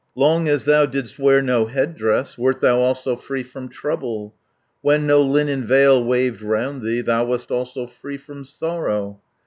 "Long as thou didst wear no head dress, Wert thou also free from trouble; When no linen veil waved round thee, Thou wast also free from sorrow.